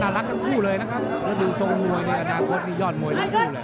รักทั้งคู่เลยนะครับแล้วดูทรงมวยในอนาคตนี่ยอดมวยทั้งคู่เลย